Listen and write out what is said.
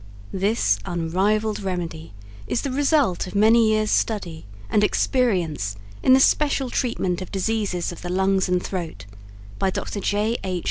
This unrivaled remedy is the result of many years study and experience in the special treatment of diseases of the lungs and throat, by Dr. J, H.